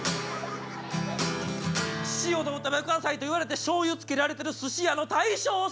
「塩でお食べくださいって言われてしょうゆつけられてるすし屋の大将好き」